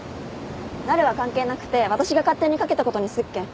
なるは関係なくて私が勝手にかけたことにすっけん。